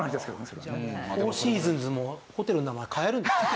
それじゃあフォーシーズンズもホテルの名前変えるんですかね？